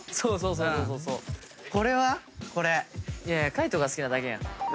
海人が好きなだけやん。